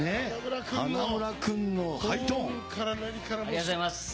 ありがとうございます。